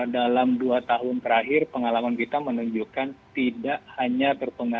dalam dua tahun terakhir pengalaman kita menunjukkan tidak hanya terpengaruh